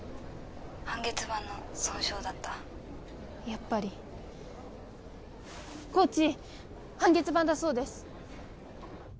☎半月板の損傷だったやっぱりコーチ半月板だそうです